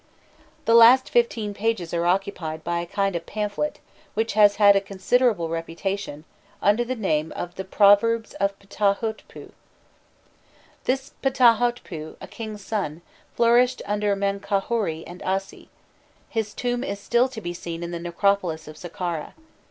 The last fifteen pages are occupied by a kind of pamphlet, which has had a considerable reputation, under the name of the "Proverbs of Phtahhotpû." This Phtahhotpû, a king's son, flourished under Menkaûhorû and Assi: his tomb is still to be seen in the necropolis of Saqqâra.